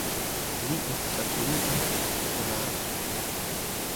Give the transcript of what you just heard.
Li estis absoluta monarko.